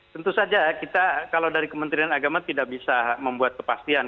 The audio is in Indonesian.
tentu saja kita kalau dari kementerian agama tidak bisa membuat kepastian